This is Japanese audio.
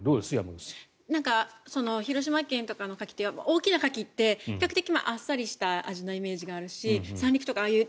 広島県とかのカキって大きなカキって比較的あっさりした味のイメージがあるし三陸とかああいう